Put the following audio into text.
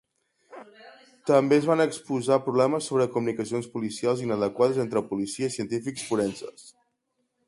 També es van exposar problemes sobre comunicacions policials inadequades entre policia i científics forenses.